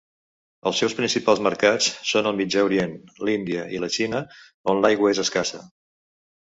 Els seus principals mercats són el Mitjà Orient, l'Índia i la Xina, on l'aigua és escassa.